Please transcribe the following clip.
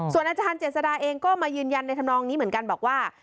อาจารย์เจษดาเองก็มายืนยันในธรรมนองนี้เหมือนกันบอกว่า